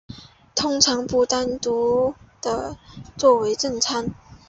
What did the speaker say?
通常不单独地作为正餐。